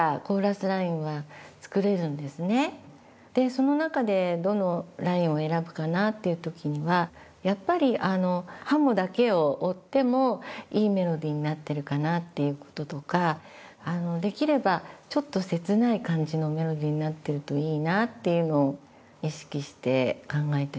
その中でどのラインを選ぶかなっていう時にはやっぱりハモだけを追ってもいいメロディーになってるかな？っていう事とかできればちょっと切ない感じのメロディーになってるといいなっていうのを意識して考えてますね。